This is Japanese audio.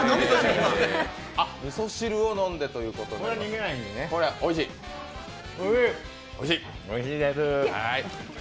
あっ、みそ汁を飲んでということでおいしいです。